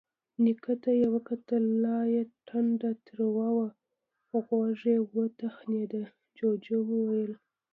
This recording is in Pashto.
نيکه ته يې وکتل، لا يې ټنډه تروه وه. غوږ يې وتخڼېد، جُوجُو وويل: